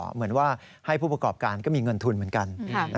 เหมือนว่าให้ผู้ประกอบการก็มีเงินทุนเหมือนกัน